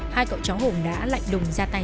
hai cậu chó hùng đã lạnh đùng ra tay